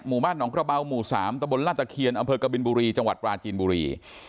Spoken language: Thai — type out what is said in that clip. หมู่บ้านหนองกระเบาหมู่๓ตะบนลาดตะเคียนอำเภอกบินบุรีจังหวัดปราจีนบุรี